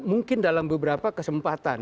mungkin dalam beberapa kesempatan